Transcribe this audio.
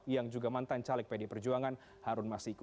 yang juga mantan caleg pd perjuangan harun masiku